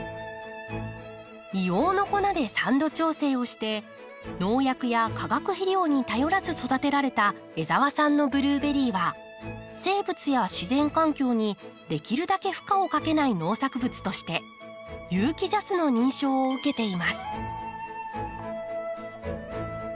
硫黄の粉で酸度調整をして農薬や化学肥料に頼らず育てられた江澤さんのブルーベリーは生物や自然環境にできるだけ負荷をかけない農作物として有機ＪＡＳの認証を受けています。